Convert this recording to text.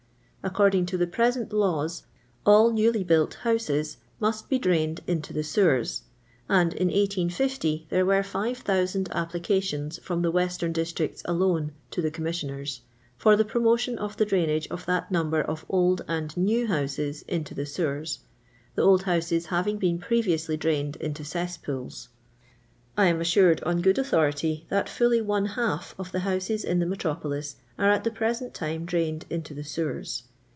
According to the present Ltvs, all newly built houses must be diained into the Sfvvers; and iu 1850 there were 5000 applica tions from the western districts alone to the Cuo misi^ionen, for the promotion of the drainage of that numlMT of old and new houses into the sewers, the old houses having been previoasly drained into cesspools. I anj assured, on g»od authority, tliat fully one half of the houses in the nicLMjioIi.s arc at the prf.sei.t time drained into the Rewer*.